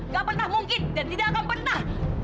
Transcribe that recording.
gak pernah mungkin dan tidak akan pernah